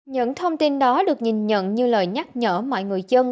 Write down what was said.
những thông tin đó được nhìn nhận như lời nhắc nhở mọi người dân